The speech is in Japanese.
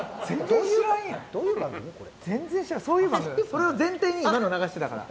それを前提に今の流してたから。